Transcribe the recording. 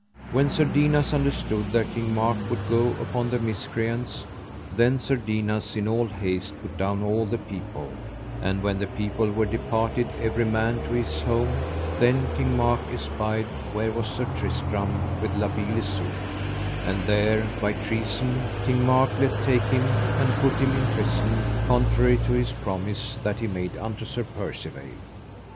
When Sir Dinas understood that King Mark would go upon the miscreants, then Sir Dinas in all the haste put down all the people; and when the people were departed every man to his home, then King Mark espied where was Sir Tristram with La Beale Isoud; and there by treason King Mark let take him and put him in prison, contrary to his promise that he made unto Sir Percivale.